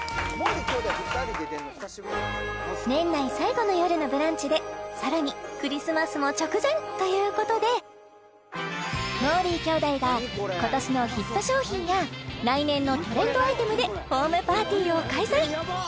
年内最後の「よるのブランチ」でさらにクリスマスも直前ということでもーりー兄弟が今年のヒット商品や来年のトレンドアイテムでホームパーティーを開催